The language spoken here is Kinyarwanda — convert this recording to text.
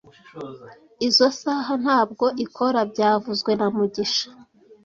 Izoi saha ntabwo ikora byavuzwe na mugisha